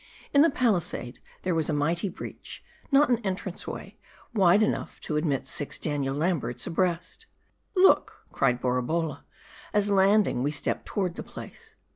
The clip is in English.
In the palisade was a mighty breach, not an entrance way, wide enough to admit six Daniel Lamberts abreast. " Look," cried Borabolla, as landing we stepped toward the place.